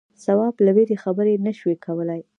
تواب له وېرې خبرې نه شوې کولای.